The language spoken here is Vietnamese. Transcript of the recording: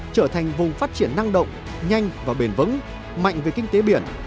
trở thành vùng phát triển năng động nhanh và bền vững mạnh về kinh tế biển